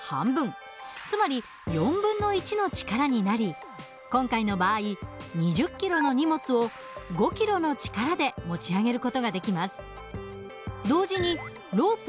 つまり４分の１の力になり今回の場合２０キロの荷物を５キロの力で持ち上げる事ができます。